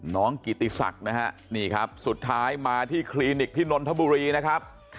กิติศักดิ์นะฮะนี่ครับสุดท้ายมาที่คลินิกที่นนทบุรีนะครับ